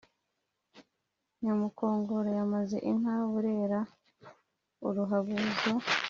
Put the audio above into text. Nyabukongoro yamaze inka i Murera-Uruhabuzo.